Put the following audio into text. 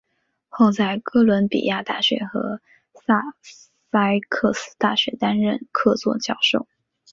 后在哥伦比亚大学和萨塞克斯大学担任客座教授。